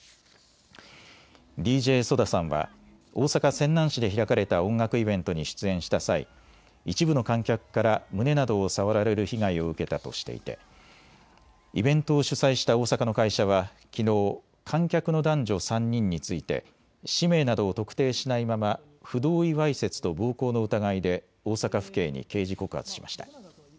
ＤＪＳＯＤＡさんは大阪泉南市で開かれた音楽イベントに出演した際、一部の観客から胸などを触られる被害を受けたとしていてイベントを主催した大阪の会社はきのう、観客の男女３人について氏名などを特定しないまま不同意わいせつと暴行の疑いで大阪府警に刑事告発しました。